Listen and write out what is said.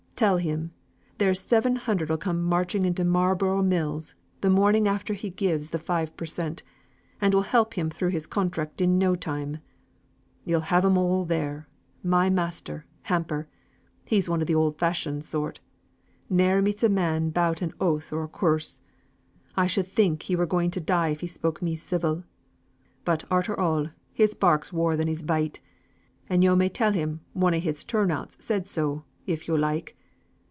Tell him, there's seven hundred 'll come marching into Marlborough Mills, the morning after he gives the five per cent., and will help him through his contract in no time. You'll have 'em all there. My master, Hamper. He's one o' th' oud fashioned sort. Ne'er meets a man bout an oath or a curse; I should think he were going to die if he spoke me civil; but arter all, his bark's waur than his bite, and yo' may tell him one o' his turn outs said so, if yo' like.